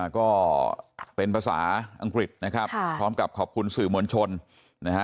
ก็เป็นภาษาอังกฤษนะครับพร้อมกับขอบคุณสื่อมวลชนนะฮะ